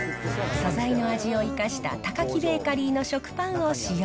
素材の味を生かしたタカキベーカリーの食パンを使用。